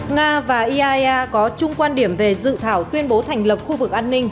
nga và iaea có chung quan điểm về dự thảo tuyên bố thành lập khu vực an ninh